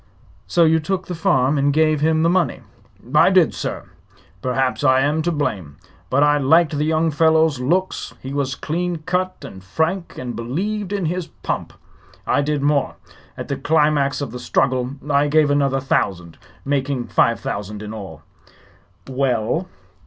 "So you took the farm and gave him the money?" "I did, sir. Perhaps I am to blame; but I liked the young fellow's looks. He was clean cut and frank, and believed in his pump. I did more. At the climax of the struggle I gave another thousand, making five thousand in all." "Well?"